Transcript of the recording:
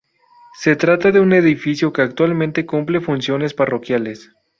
Se trata de un edificio que actualmente cumple funciones parroquiales.